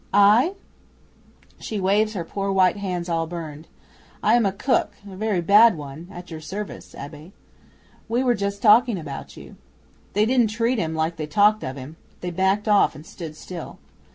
'"I?" she waves her poor white hands all burned "I am a cook a very bad one at your service, Abbe. We were just talking about you." They didn't treat him like they talked of him. They backed off and stood still.